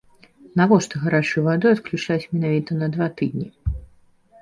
Навошта гарачую ваду адключаць менавіта на два тыдні?